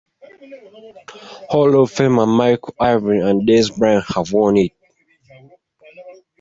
Hall of Famer Michael Irvin and Dez Bryant have worn it.